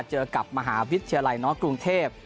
เจอกับมหาวิทยาลัยนอสกรุงเทพ